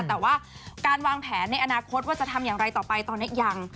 แต่ว่าการวางแผนในอนาคตว่าจะทำอย่างไรต่อไปตอนนี้ยัง